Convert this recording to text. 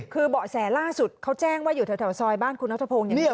คือเบาะแสล่าสุดเขาแจ้งว่าอยู่แถวซอยบ้านคุณนัทพงศ์อย่างเดียว